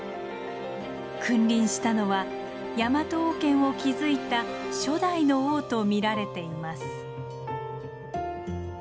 君臨したのはヤマト王権を築いた初代の王と見られています。